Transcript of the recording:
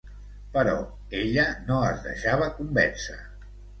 Però ella no es deixava convèncer.